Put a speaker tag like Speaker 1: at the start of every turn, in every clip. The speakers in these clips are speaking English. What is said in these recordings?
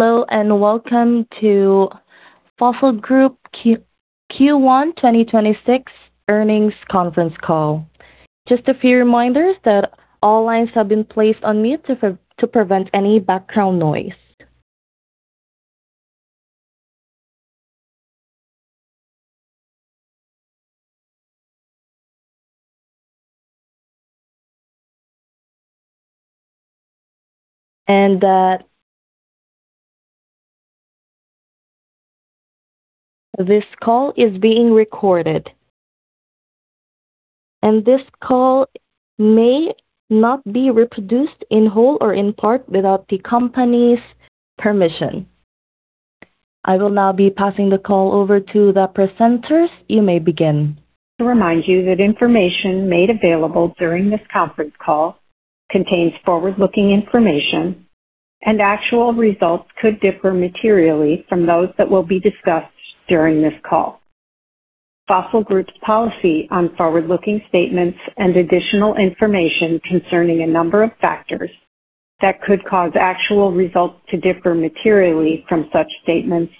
Speaker 1: Hello and welcome to Fossil Group Q1 2026 Earnings Conference Call. Just a few reminders that all lines have been placed on mute to prevent any background noise. That this call is being recorded. This call may not be reproduced in whole or in part without the company's permission. I will now be passing the call over to the presenters. You may begin.
Speaker 2: Remind you that information made available during this conference call contains forward-looking information, and actual results could differ materially from those that will be discussed during this call. Fossil Group's policy on forward-looking statements and additional information concerning a number of factors that could cause actual results to differ materially from such statements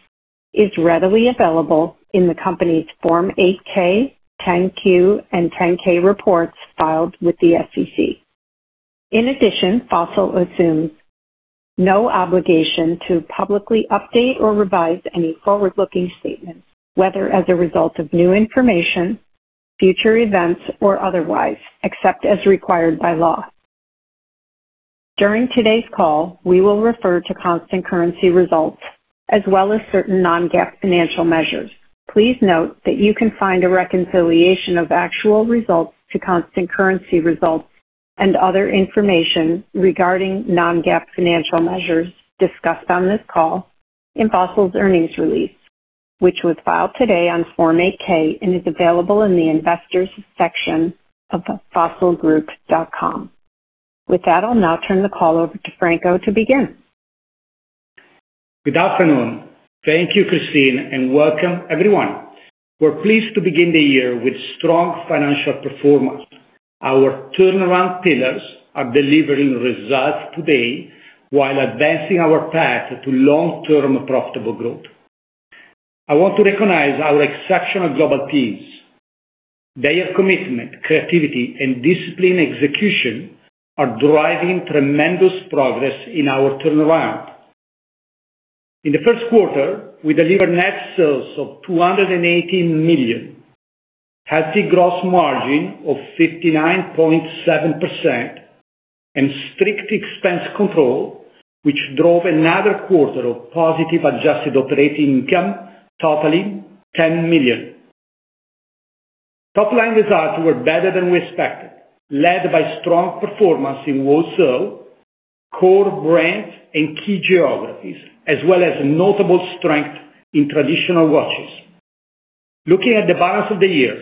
Speaker 2: is readily available in the company's Form 8-K, 10-Q, and 10-K reports filed with the SEC. In addition, Fossil assumes no obligation to publicly update or revise any forward-looking statements, whether as a result of new information, future events, or otherwise, except as required by law. During today's call, we will refer to constant currency results as well as certain non-GAAP financial measures. Please note that you can find a reconciliation of actual results to constant currency results and other information regarding non-GAAP financial measures discussed on this call in Fossil's earnings release, which was filed today on Form 8-K and is available in the investors section of the fossilgroup.com. With that, I'll now turn the call over to Franco to begin.
Speaker 3: Good afternoon. Thank you, Christine, and welcome everyone. We're pleased to begin the year with strong financial performance. Our turnaround pillars are delivering results today while advancing our path to long-term profitable growth. I want to recognize our exceptional global teams. Their commitment, creativity, and disciplined execution are driving tremendous progress in our turnaround. In the first quarter, we delivered net sales of $280 million, healthy gross margin of 59.7% and strict expense control, which drove another quarter of positive adjusted operating income totaling $10 million. Topline results were better than we expected, led by strong performance in wholesale, core brands, and key geographies, as well as notable strength in traditional watches. Looking at the balance of the year,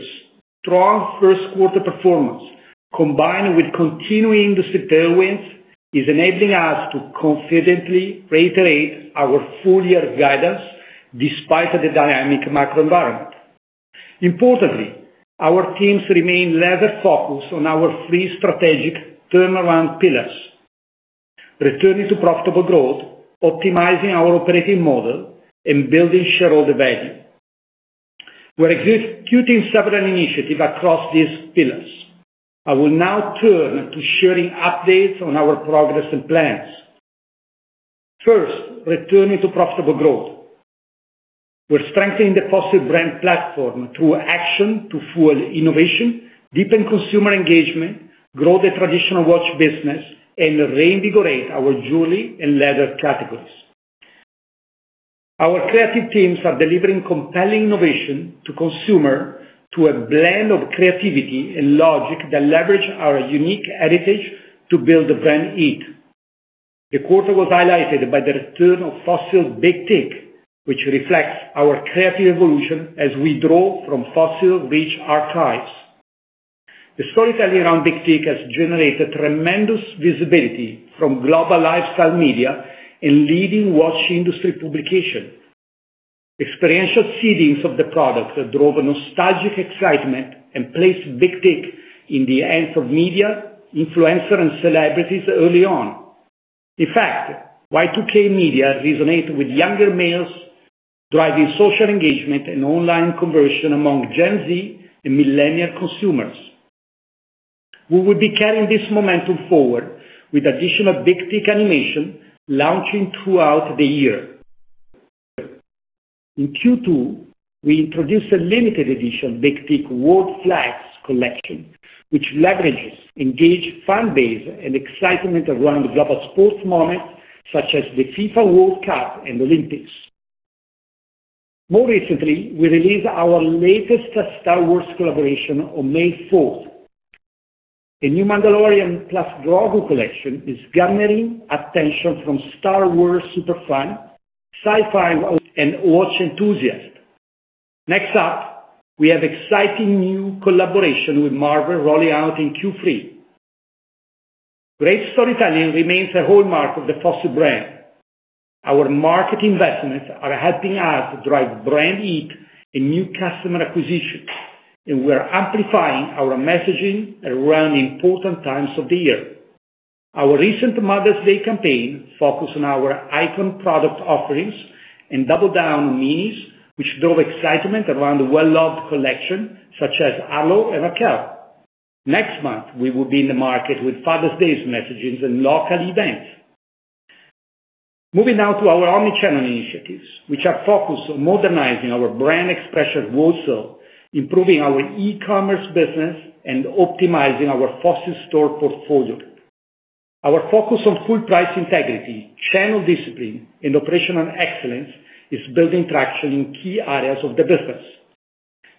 Speaker 3: strong first quarter performance combined with continuing industry tailwinds is enabling us to confidently reiterate our full year guidance despite the dynamic macro environment. Importantly, our teams remain laser-focused on our three strategic turnaround pillars, returning to profitable growth, optimizing our operating model, and building shareholder value. We're executing several initiatives across these pillars. I will now turn to sharing updates on our progress and plans. First, returning to profitable growth. We're strengthening the Fossil brand platform through action to fuel innovation, deepen consumer engagement, grow the traditional watch business, and reinvigorate our jewelry and leather categories. Our creative teams are delivering compelling innovation to consumer through a blend of creativity and logic that leverage our unique heritage to build the brand heat. The quarter was highlighted by the return of Fossil's Big Tic, which reflects our creative evolution as we draw from Fossil rich archives. The storytelling around Big Tic has generated tremendous visibility from global lifestyle media and leading watch industry publication. Experiential seedings of the product drove a nostalgic excitement and placed Big Tic in the hands of media, influencers, and celebrities early on. In fact, Y2K media resonate with younger males, driving social engagement and online conversion among Gen Z and Millennial consumers. We will be carrying this momentum forward with additional Big Tic animation launching throughout the year. In Q2, we introduced a limited edition Big Tic World Flags collection, which leverages engaged fan base and excitement around global sports moments such as the FIFA World Cup and Olympics. More recently, we released our latest Star Wars collaboration on May 4th. The new Mandalorian plus Grogu collection is garnering attention from Star Wars super fan, sci-fi, and watch enthusiasts. Next up, we have exciting new collaboration with Marvel rolling out in Q3. Great storytelling remains a hallmark of the Fossil brand. Our market investments are helping us drive brand heat and new customer acquisition. We're amplifying our messaging around important times of the year. Our recent Mother's Day campaign focused on our icon product offerings and double down on minis, which drove excitement around the well-loved collection such as Arlo and Raquel. Next month, we will be in the market with Father's Day messaging and local events. Moving now to our omni-channel initiatives, which are focused on modernizing our brand expression wholesale, improving our e-commerce business, and optimizing our Fossil store portfolio. Our focus on full price integrity, channel discipline, and operational excellence is building traction in key areas of the business.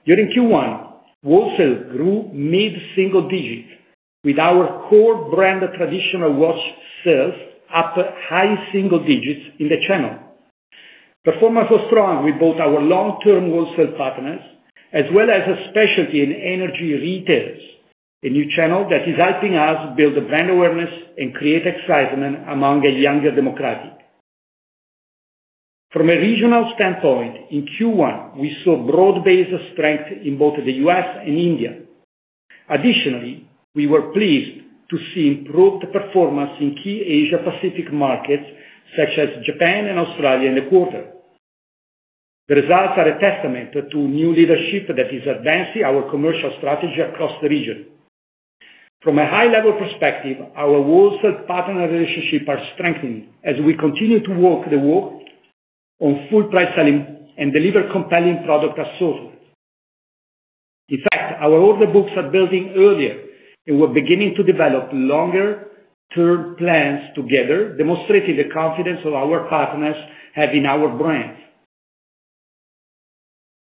Speaker 3: During Q1, wholesale grew mid-single digits with our core brand traditional watch sales up high single digits in the channel. Performance was strong with both our long-term wholesale partners as well as a specialty and energy retailers, a new channel that is helping us build brand awareness and create excitement among a younger demographic. From a regional standpoint, in Q1, we saw broad-based strength in both the U.S. and India. Additionally, we were pleased to see improved performance in key Asia Pacific markets such as Japan and Australia in the quarter. The results are a testament to new leadership that is advancing our commercial strategy across the region. From a high level perspective, our wholesale partner relationships are strengthening as we continue to walk the walk on full price selling and deliver compelling product assortments. In fact, our order books are building earlier, and we're beginning to develop longer term plans together, demonstrating the confidence of our partners have in our brand.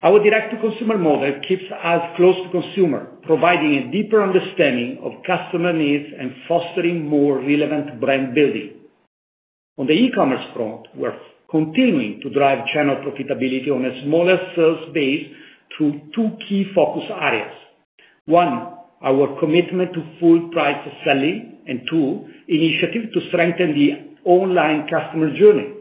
Speaker 3: Our direct-to-consumer model keeps us close to consumer, providing a deeper understanding of customer needs and fostering more relevant brand building. On the e-commerce front, we're continuing to drive channel profitability on a smaller sales base through two key focus areas. One, our commitment to full price selling, and two, initiative to strengthen the online customer journey.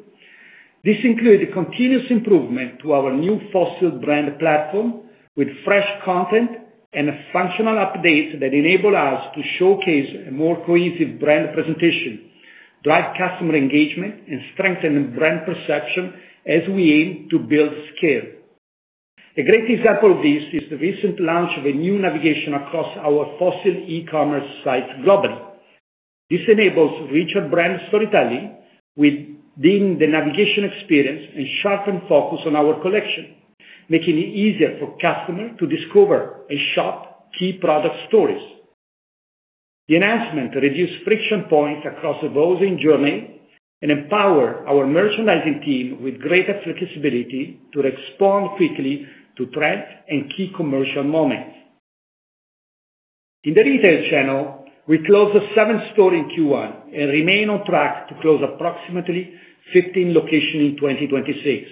Speaker 3: This includes continuous improvement to our new Fossil brand platform with fresh content and functional updates that enable us to showcase a more cohesive brand presentation, drive customer engagement, and strengthen brand perception as we aim to build scale. A great example of this is the recent launch of a new navigation across our Fossil e-commerce site globally. This enables richer brand storytelling within the navigation experience and sharpened focus on our collection, making it easier for customers to discover and shop key product stories. The enhancement reduce friction points across the browsing journey and empower our merchandising team with greater flexibility to respond quickly to trends and key commercial moments. In the retail channel, we closed seven stores in Q1 and remain on track to close approximately 15 locations in 2026.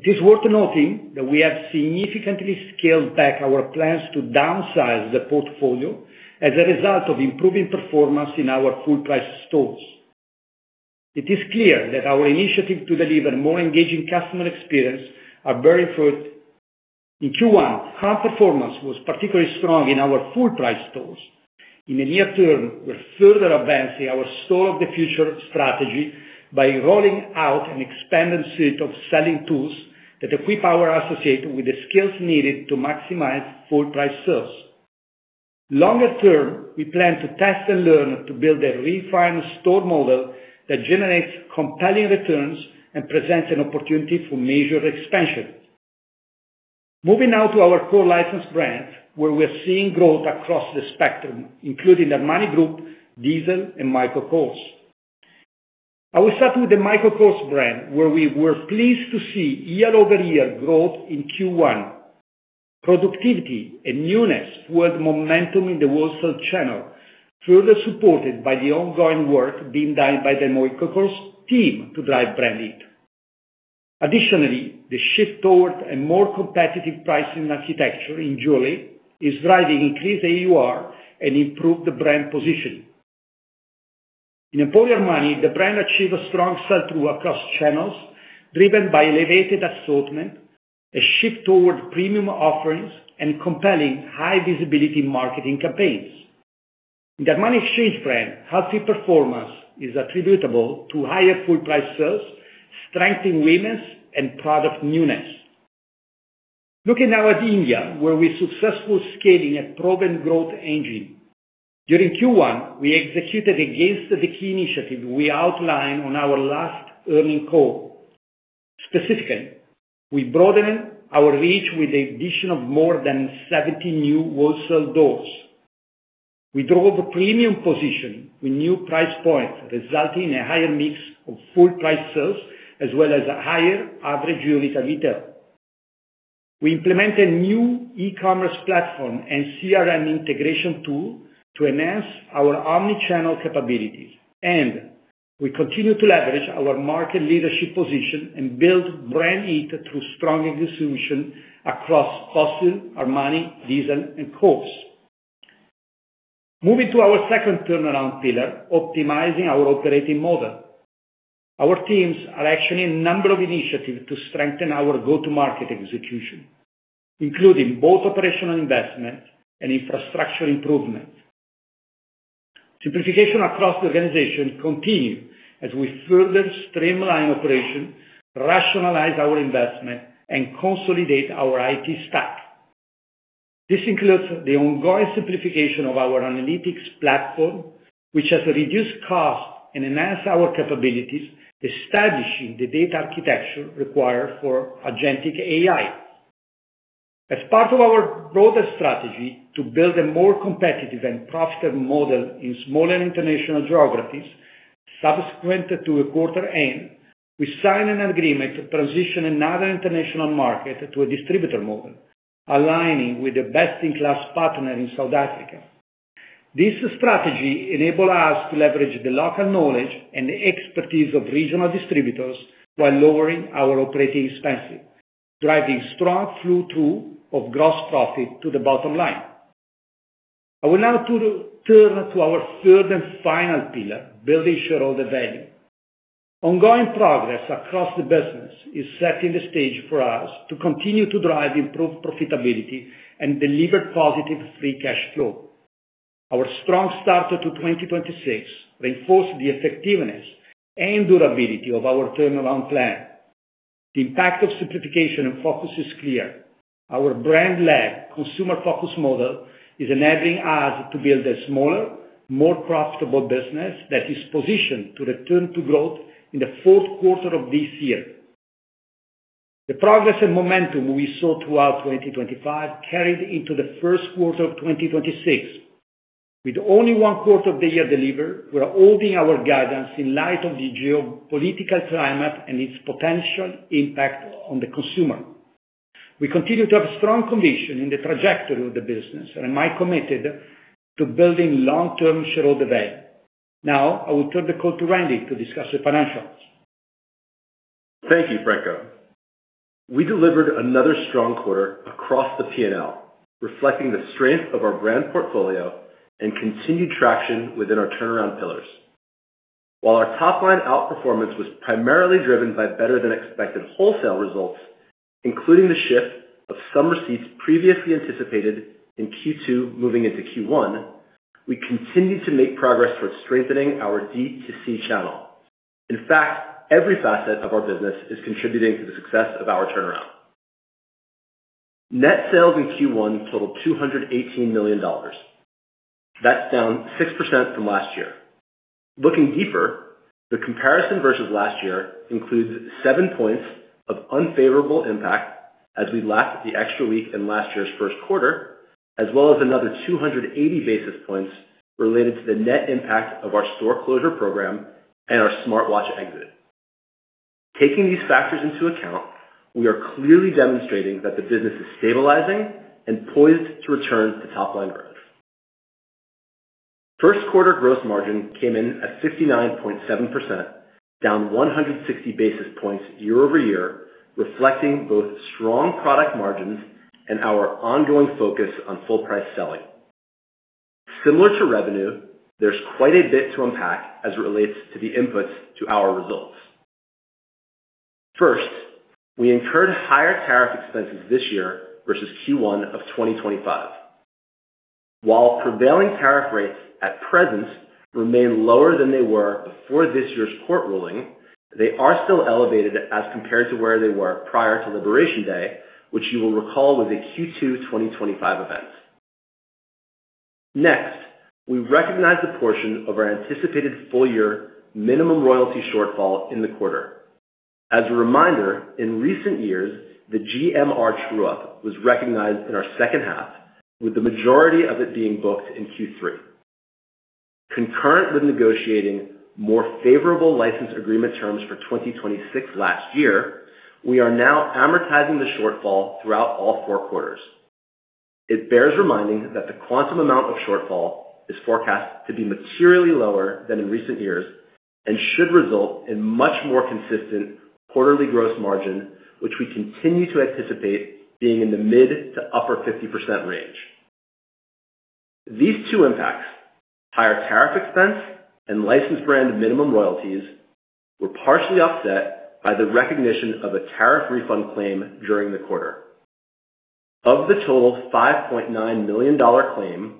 Speaker 3: It is worth noting that we have significantly scaled back our plans to downsize the portfolio as a result of improving performance in our full price stores. It is clear that our initiative to deliver more engaging customer experience are bearing fruit. In Q1, comp performance was particularly strong in our full price stores. In the near term, we're further advancing our store of the future strategy by rolling out an expanded suite of selling tools that equip our associates with the skills needed to maximize full price sales. Longer term, we plan to test and learn to build a refined store model that generates compelling returns and presents an opportunity for major expansion. Moving now to our core license brands, where we're seeing growth across the spectrum, including Armani Group, Diesel and Michael Kors. I will start with the Michael Kors brand, where we were pleased to see year-over-year growth in Q1. Productivity and newness fueled momentum in the wholesale channel, further supported by the ongoing work being done by the Michael Kors team to drive brand heat. Additionally, the shift toward a more competitive pricing architecture in jewelry is driving increased AUR and improved brand positioning. In Emporio Armani, the brand achieved a strong sell-through across channels, driven by elevated assortment, a shift toward premium offerings, and compelling high-visibility marketing campaigns. In Armani Exchange brand, healthy performance is attributable to higher full price sales, strength in women's, and product newness. Looking now at India, where we're successfully scaling a proven growth engine. During Q1, we executed against the key initiatives we outlined on our last earning call. Specifically, we broadened our reach with the addition of more than 70 new wholesale doors. We drove a premium position with new price points, resulting in a higher mix of full price sales as well as a higher average unit at retail. We implemented new e-commerce platform and CRM integration tool to enhance our omni-channel capabilities. We continue to leverage our market leadership position and build brand heat through stronger distribution across Fossil, Armani, Diesel and Kors. Moving to our second turnaround pillar, optimizing our operating model. Our teams are actioning a number of initiatives to strengthen our go-to-market execution, including both operational investment and infrastructure improvement. Simplification across the organization continue as we further streamline operation, rationalize our investment, and consolidate our IT stack. This includes the ongoing simplification of our analytics platform, which has reduced cost and enhanced our capabilities, establishing the data architecture required for agentic AI. As part of our broader strategy to build a more competitive and profitable model in smaller international geographies, subsequent to a quarter end, we signed an agreement to transition another international market to a distributor model, aligning with a best-in-class partner in South Africa. This strategy enable us to leverage the local knowledge and the expertise of regional distributors while lowering our operating expenses, driving strong flow-through of gross profit to the bottom line. I will now turn to our third and final pillar, building shareholder value. Ongoing progress across the business is setting the stage for us to continue to drive improved profitability and deliver positive free cash flow. Our strong start to 2026 reinforced the effectiveness and durability of our turnaround plan. The impact of simplification and focus is clear. Our brand-led, consumer-focused model is enabling us to build a smaller, more profitable business that is positioned to return to growth in the fourth quarter of this year. The progress and momentum we saw throughout 2025 carried into the first quarter of 2026. With only one quarter of the year delivered, we are holding our guidance in light of the geopolitical climate and its potential impact on the consumer. We continue to have strong conviction in the trajectory of the business, and am I committed to building long-term shareholder value. Now, I will turn the call to Randy to discuss the financials.
Speaker 4: Thank you, Franco. We delivered another strong quarter across the P&L, reflecting the strength of our brand portfolio and continued traction within our turnaround pillars. While our top-line outperformance was primarily driven by better than expected wholesale results, including the shift of some receipts previously anticipated in Q2 moving into Q1, we continue to make progress towards strengthening our D2C channel. In fact, every facet of our business is contributing to the success of our turnaround. Net sales in Q1 totaled $218 million. That's down 6% from last year. Looking deeper, the comparison versus last year includes 7 points of unfavorable impact as we lacked the extra week in last year's first quarter, as well as another 280 basis points related to the net impact of our store closure program and our smartwatch exit. Taking these factors into account, we are clearly demonstrating that the business is stabilizing and poised to return to top-line growth. First quarter gross margin came in at 69.7%, down 160 basis points year-over-year, reflecting both strong product margins and our ongoing focus on full price selling. Similar to revenue, there's quite a bit to unpack as it relates to the inputs to our results. First, we incurred higher tariff expenses this year versus Q1 of 2025. While prevailing tariff rates at present remain lower than they were before this year's court ruling, they are still elevated as compared to where they were prior to Liberation Day, which you will recall was a Q2 2025 event. Next, we recognized a portion of our anticipated full-year minimum royalty shortfall in the quarter. As a reminder, in recent years, the GMR true-up was recognized in our second half, with the majority of it being booked in Q3. Concurrent with negotiating more favorable license agreement terms for 2026 last year, we are now amortizing the shortfall throughout all four quarters. It bears reminding that the quantum amount of shortfall is forecast to be materially lower than in recent years and should result in much more consistent quarterly gross margin, which we continue to anticipate being in the mid to upper 50% range. These two impacts, higher tariff expense and licensed brand minimum royalties, were partially offset by the recognition of a tariff refund claim during the quarter. Of the total $5.9 million claim,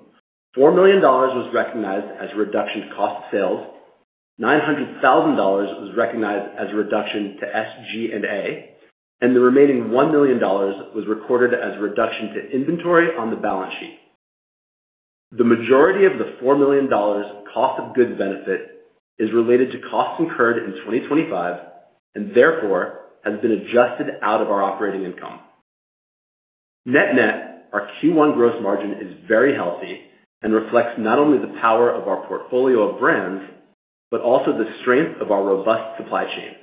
Speaker 4: $4 million was recognized as reduction to cost of sales, $900,000 was recognized as a reduction to SG&A, and the remaining $1 million was recorded as a reduction to inventory on the balance sheet. The majority of the $4 million cost of goods benefit is related to costs incurred in 2025, and therefore, has been adjusted out of our operating income. Net net, our Q1 gross margin is very healthy and reflects not only the power of our portfolio of brands, but also the strength of our robust supply chain.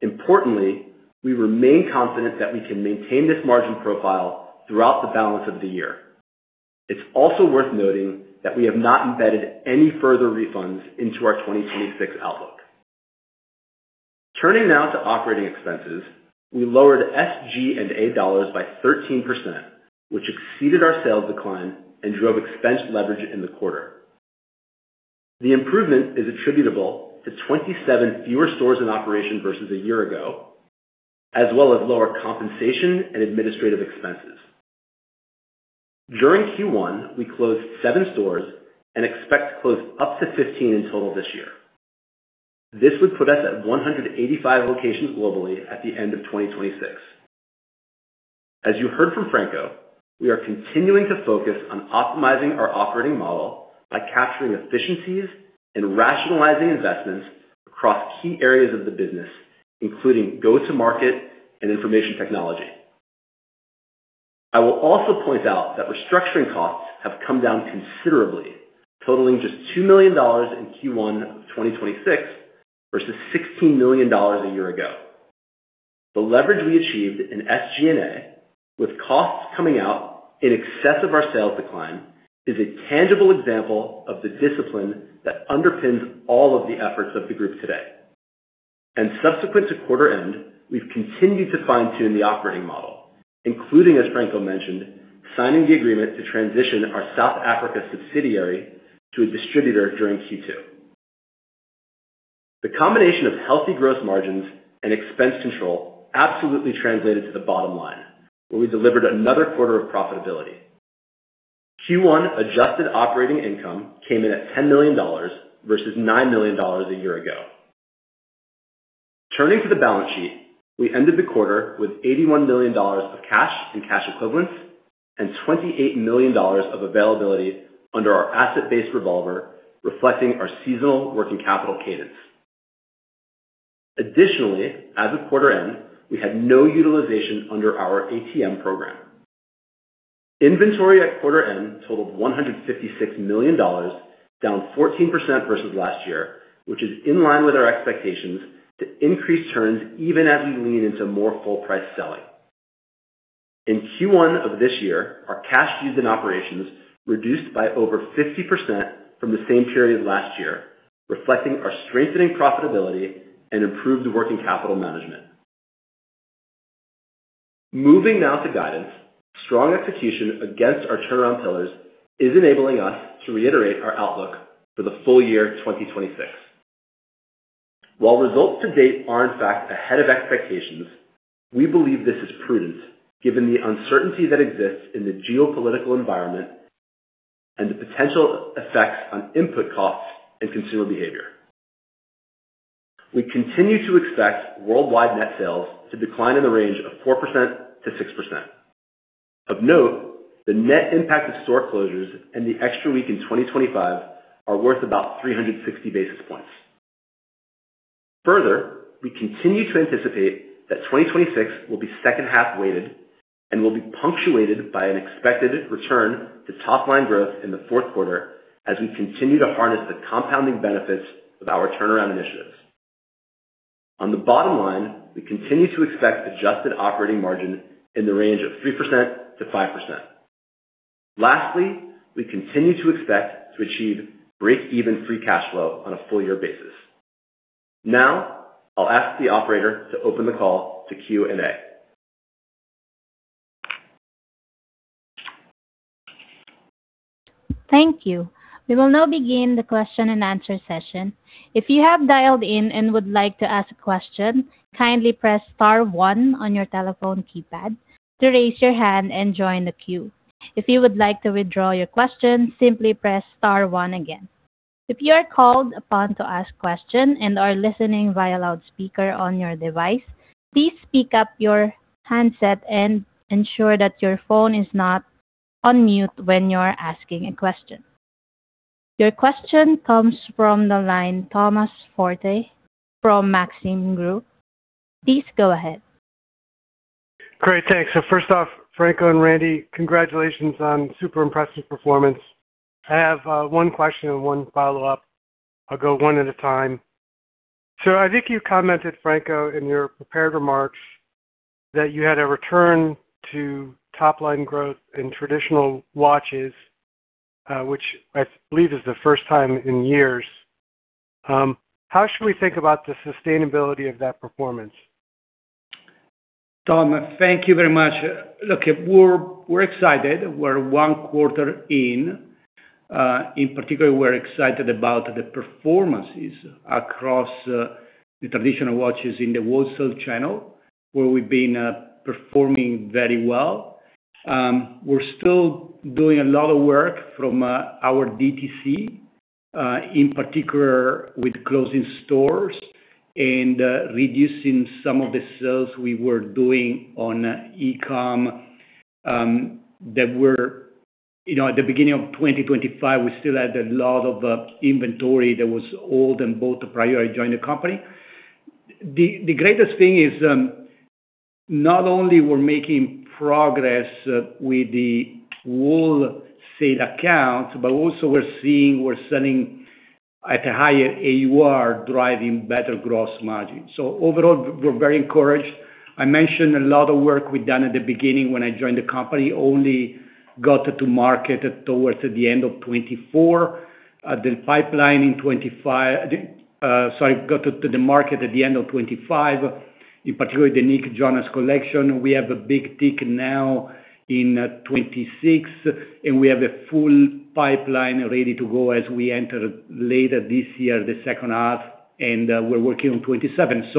Speaker 4: Importantly, we remain confident that we can maintain this margin profile throughout the balance of the year. It's also worth noting that we have not embedded any further refunds into our 2026 outlook. Turning now to operating expenses, we lowered SG&A dollars by 13%, which exceeded our sales decline and drove expense leverage in the quarter. The improvement is attributable to 27 fewer stores in operation versus a year ago, as well as lower compensation and administrative expenses. During Q1, we closed 7 stores and expect to close up to 15 in total this year. This would put us at 185 locations globally at the end of 2026. As you heard from Franco, we are continuing to focus on optimizing our operating model by capturing efficiencies and rationalizing investments across key areas of the business, including go-to-market and information technology. I will also point out that restructuring costs have come down considerably, totaling just $2 million in Q1 of 2026 versus $16 million a year ago. The leverage we achieved in SG&A, with costs coming out in excess of our sales decline, is a tangible example of the discipline that underpins all of the efforts of the group today. Subsequent to quarter end, we've continued to fine-tune the operating model, including, as Franco mentioned, signing the agreement to transition our South Africa subsidiary to a distributor during Q2. The combination of healthy gross margins and expense control absolutely translated to the bottom line, where we delivered another quarter of profitability. Q1 adjusted operating income came in at $10 million versus $9 million a year ago. Turning to the balance sheet, we ended the quarter with $81 million of cash and cash equivalents and $28 million of availability under our asset-based revolver, reflecting our seasonal working capital cadence. Additionally, as of quarter end, we had no utilization under our ATM program. Inventory at quarter end totaled $156 million, down 14% versus last year, which is in line with our expectations to increase turns even as we lean into more full-price selling. In Q1 of this year, our cash used in operations reduced by over 50% from the same period last year, reflecting our strengthening profitability and improved working capital management. Moving now to guidance, strong execution against our turnaround pillars is enabling us to reiterate our outlook for the full year 2026. While results to date are in fact ahead of expectations, we believe this is prudent given the uncertainty that exists in the geopolitical environment and the potential effects on input costs and consumer behavior. We continue to expect worldwide net sales to decline in the range of 4%-6%. Of note, the net impact of store closures and the extra week in 2025 are worth about 360 basis points. Further, we continue to anticipate that 2026 will be second half-weighted and will be punctuated by an expected return to top-line growth in the fourth quarter as we continue to harness the compounding benefits of our turnaround initiatives. On the bottom line, we continue to expect adjusted operating margin in the range of 3%-5%. Lastly, we continue to expect to achieve breakeven free cash flow on a full-year basis. I'll ask the operator to open the call to Q&A.
Speaker 1: Thank you. We will now begin the question-and-answer session. If you have dialed in and would like to ask a question, kindly press star one on your telephone keypad to raise your hand and join the queue. If you would like to withdraw your question, simply press star one again. If you are called upon to ask question and are listening via loudspeaker on your device, please speak up your handset and ensure that your phone is not on mute when you are asking a question. Your question comes from the line, Thomas Forte from Maxim Group. Please go ahead.
Speaker 5: Great. Thanks. First off, Franco and Randy, congratulations on super impressive performance. I have one question and one follow-up. I'll go one at a time. I think you commented, Franco, in your prepared remarks that you had a return to top-line growth in traditional watches, which I believe is the first time in years. How should we think about the sustainability of that performance?
Speaker 3: Tom, thank you very much. Look, we're excited. We're 1 quarter in. In particular, we're excited about the performances across the traditional watches in the wholesale channel, where we've been performing very well. We're still doing a lot of work from our DTC, in particular with closing stores and reducing some of the sales we were doing on e-com, that were You know, at the beginning of 2025, we still had a lot of inventory that was old and bought prior I joined the company. The greatest thing is, not only we're making progress with the wholesale accounts, but also we're seeing we're selling at a higher AUR, driving better gross margin. Overall, we're very encouraged. I mentioned a lot of work we've done at the beginning when I joined the company, only got to market towards the end of 2024. The pipeline in 2025, sorry, go to the market at the end of 2025, in particular, the Nick Jonas collection. We have a Big Tic now in 2026, we have a full pipeline ready to go as we enter later this year, the second half, we're working on 2027.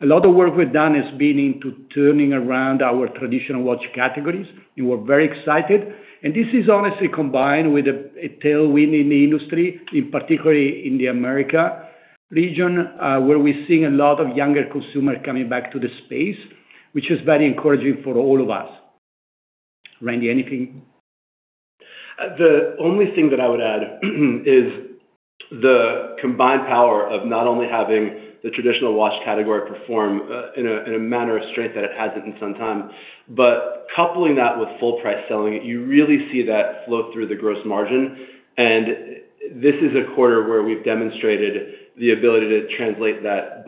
Speaker 3: A lot of work we've done has been into turning around our traditional watch categories. We were very excited. This is honestly combined with a tailwind in the industry, in particular in the America region, where we're seeing a lot of younger consumer coming back to the space, which is very encouraging for all of us. Randy, anything?
Speaker 4: The only thing that I would add is the combined power of not only having the traditional watch category perform, in a, in a manner or strength that it hasn't in some time, but coupling that with full price selling, you really see that flow through the gross margin. This is a quarter where we've demonstrated the ability to translate that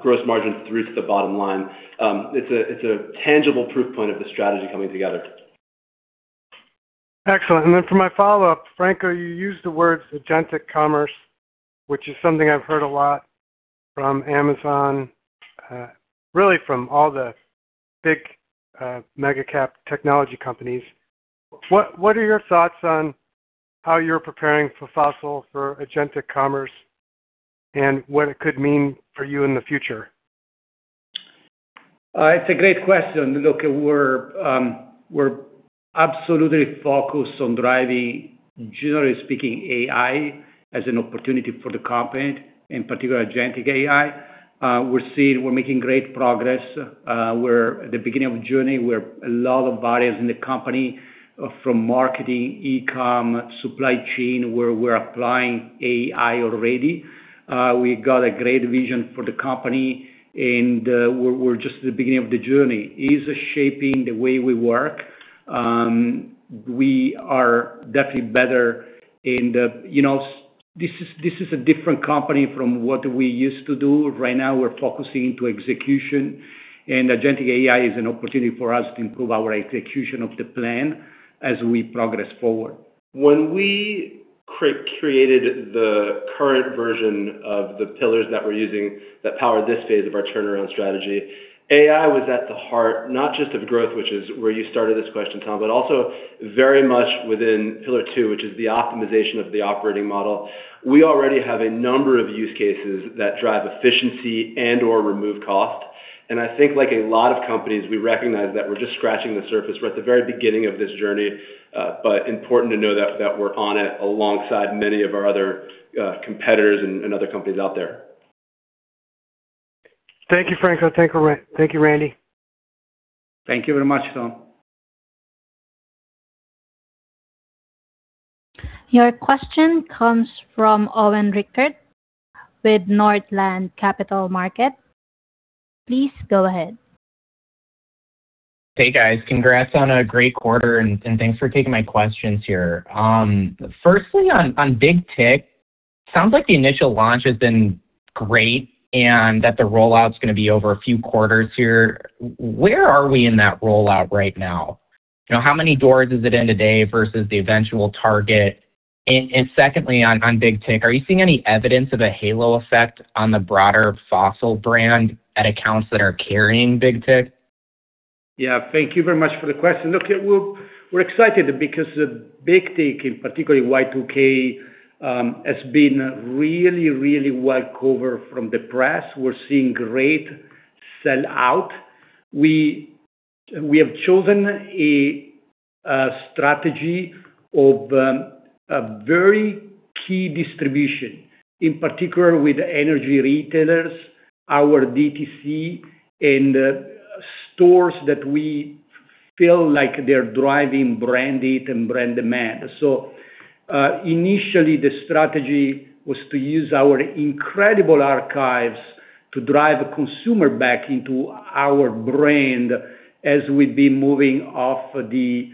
Speaker 4: gross margin through to the bottom line. It's a, it's a tangible proof point of the strategy coming together.
Speaker 5: Excellent. For my follow-up, Franco, you used the words agentic commerce, which is something I've heard a lot from Amazon, really from all the big mega cap technology companies. What are your thoughts on how you're preparing for Fossil for agentic commerce and what it could mean for you in the future?
Speaker 3: It's a great question. We're absolutely focused on driving, generally speaking, AI as an opportunity for the company, in particular, agentic AI. We're making great progress. We're at the beginning of a journey where a lot of areas in the company from marketing, e-com, supply chain, where we're applying AI already. We got a great vision for the company, we're just at the beginning of the journey. It is shaping the way we work. We are definitely better. You know, this is a different company from what we used to do. Right now, we're focusing into execution. Agentic AI is an opportunity for us to improve our execution of the plan as we progress forward.
Speaker 4: When we created the current version of the pillars that we're using that power this phase of our turnaround strategy, AI was at the heart, not just of growth, which is where you started this question, Tom, but also very much within pillar 2, which is the optimization of the operating model. We already have a number of use cases that drive efficiency and/or remove cost. I think like a lot of companies, we recognize that we're just scratching the surface. We're at the very beginning of this journey, but important to know that we're on it alongside many of our other competitors and other companies out there.
Speaker 5: Thank you, Franco. Thank you, Randy.
Speaker 3: Thank you very much, Tom.
Speaker 1: Your question comes from Owen Rickert with Northland Capital Markets. Please go ahead.
Speaker 6: Hey, guys. Congrats on a great quarter, and thanks for taking my questions here. Firstly, on Big Tic, sounds like the initial launch has been great and that the rollout is gonna be over a few quarters here. Where are we in that rollout right now? You know, how many doors is it in today versus the eventual target? Secondly, on Big Tic, are you seeing any evidence of a halo effect on the broader Fossil brand at accounts that are carrying Big Tic?
Speaker 3: Thank you very much for the question. Look, we're excited because Big Tic, in particularly Y2K, has been really well covered from the press. We're seeing great sell out. We have chosen a strategy of a very key distribution, in particular with energy retailers, our DTC and stores that we feel like they're driving brand heat and brand demand. Initially, the strategy was to use our incredible archives to drive consumer back into our brand as we've been moving off the,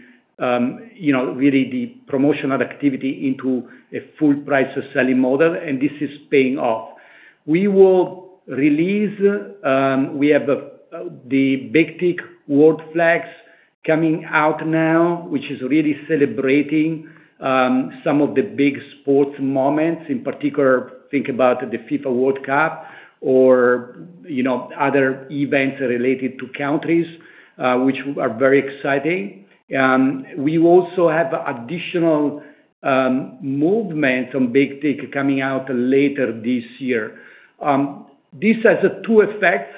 Speaker 3: you know, really the promotional activity into a full price selling model, and this is paying off. We will release, we have the Big Tic World Flags coming out now, which is really celebrating some of the big sports moments. In particular, think about the FIFA World Cup or, you know, other events related to countries, which are very exciting. We also have additional movement on Big Tic coming out later this year. This has a 2 effects,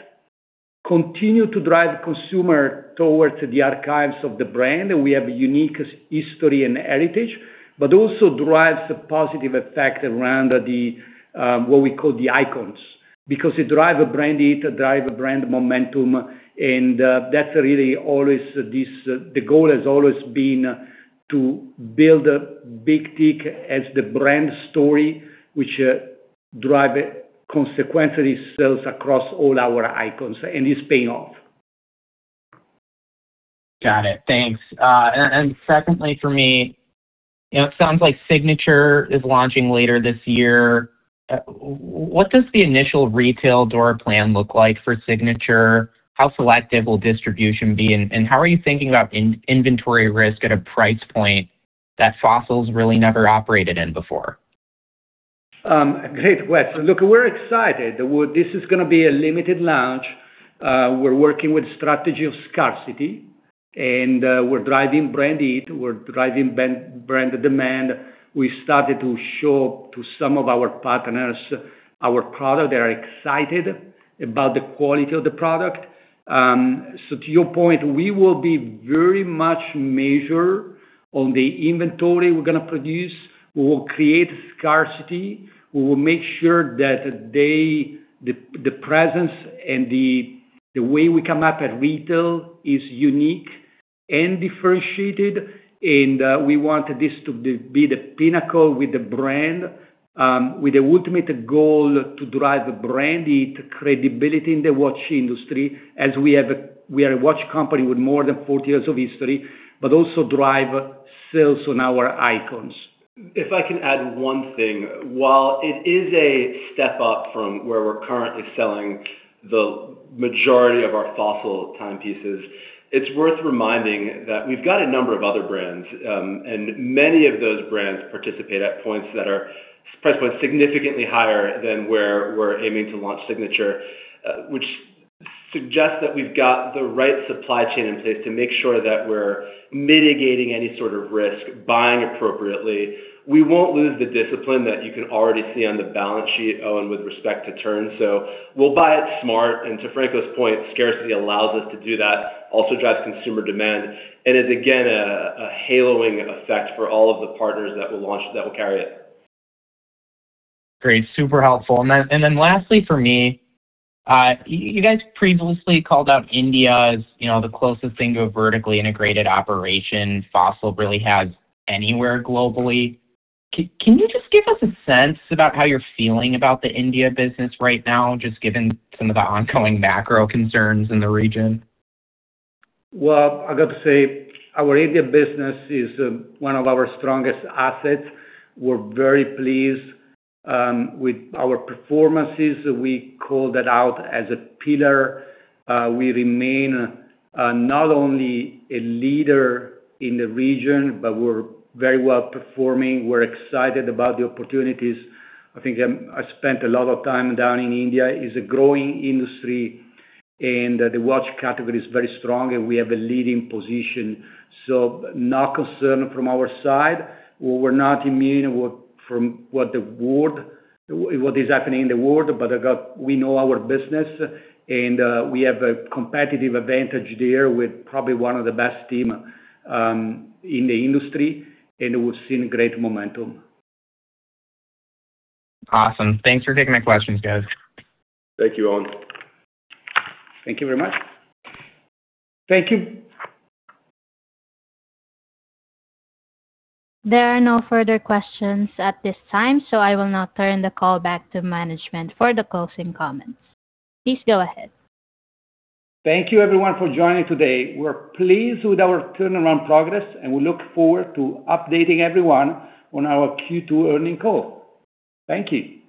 Speaker 3: continue to drive consumer towards the archives of the brand, and we have a unique history and heritage, but also drives a positive effect around the what we call the icons because it drive a brand heat, drive a brand momentum, and that's really always the goal has always been to build a Big Tic as the brand story, which drive consequently sales across all our icons, and it's paying off.
Speaker 6: Got it. Thanks. And secondly for me, you know, it sounds like Signature is launching later this year. What does the initial retail door plan look like for Signature? How selective will distribution be? How are you thinking about in-inventory risk at a price point that Fossil's really never operated in before?
Speaker 3: Great question. Look, we're excited. This is gonna be a limited launch. We're working with strategy of scarcity, we're driving brand heat, we're driving brand demand. We started to show to some of our partners our product. They are excited about the quality of the product. So to your point, we will be very much measured on the inventory we're gonna produce. We will create scarcity. We will make sure that the presence and the way we come up at retail is unique and differentiated. We want this to be the pinnacle with the brand, with the ultimate goal to drive the brand heat credibility in the watch industry as we are a watch company with more than 40 years of history, but also drive sales on our icons.
Speaker 4: If I can add one thing. While it is a step up from where we're currently selling the majority of our Fossil time pieces, it's worth reminding that we've got a number of other brands, and many of those brands participate at price points significantly higher than where we're aiming to launch Signature. Which suggests that we've got the right supply chain in place to make sure that we're mitigating any sort of risk, buying appropriately. We won't lose the discipline that you can already see on the balance sheet, Owen, with respect to turn. We'll buy it smart, and to Franco's point, scarcity allows us to do that, also drives consumer demand, and is again, a haloing effect for all of the partners that will launch, that will carry it.
Speaker 6: Great. Super helpful. Lastly for me, you guys previously called out India as, you know, the closest thing to a vertically integrated operation Fossil really has anywhere globally. Can you just give us a sense about how you're feeling about the India business right now, just given some of the ongoing macro concerns in the region?
Speaker 3: Well, I've got to say, our India business is, one of our strongest assets. We're very pleased with our performances. We called it out as a pillar. We remain not only a leader in the region, but we're very well-performing. We're excited about the opportunities. I think I spent a lot of time down in India. It's a growing industry, and the watch category is very strong, and we have a leading position. Not concerned from our side. We're not immune from what is happening in the world, but we know our business, and we have a competitive advantage there with probably one of the best team in the industry, and we've seen great momentum.
Speaker 6: Awesome. Thanks for taking my questions, guys.
Speaker 4: Thank you, Owen.
Speaker 3: Thank you very much. Thank you.
Speaker 1: There are no further questions at this time, so I will now turn the call back to management for the closing comments. Please go ahead.
Speaker 3: Thank you everyone for joining today. We're pleased with our turnaround progress, and we look forward to updating everyone on our Q2 earnings call. Thank you.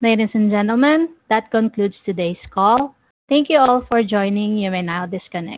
Speaker 1: Ladies and gentlemen, that concludes today's call. Thank you all for joining. You may now disconnect.